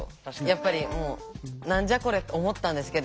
やっぱり「何じゃこれ」と思ったんですけど